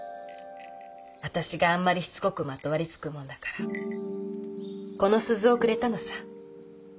私があんまりしつこくまとわり付くもんだからこの鈴をくれたのさ。